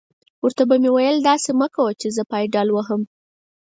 ور ته به مې ویل: داسې مه کوه چې زه پایډل وهم.